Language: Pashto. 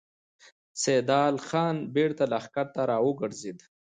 سيدال خان بېرته لښکر ته ور وګرځېد.